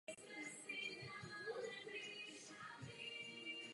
Křesťanská tradice ji kvůli jejímu obsahu řadí naopak mezi knihy historické.